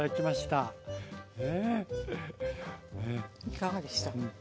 いかがでした？